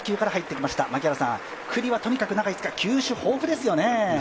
九里はとにかく中５日、球種、豊富ですよね。